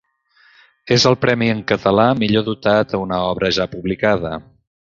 És el premi en català millor dotat a una obra ja publicada.